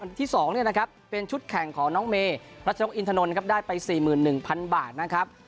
อันที่๒เป็นชุดแข่งของน้องเมย์รัชนกอินทนนได้ไป๔๑๐๐๐บาทนะครับ